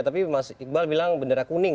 tapi mas iqbal bilang bendera kuning